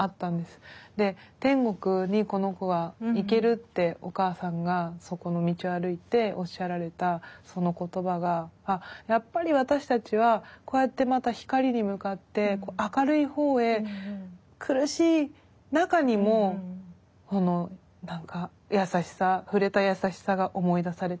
天国にこの子は行けるってお母さんがそこの道を歩いておっしゃられたその言葉がやっぱり私たちはこうやってまた光に向かって明るいほうへ苦しい中にも何か優しさ触れた優しさが思い出されたりとか。